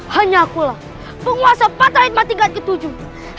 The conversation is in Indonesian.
hanya akulah penguasa patrihikma tingkat ke tujuh